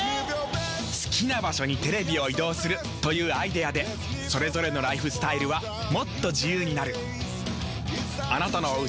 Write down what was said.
好きな場所にテレビを移動するというアイデアでそれぞれのライフスタイルはもっと自由になる。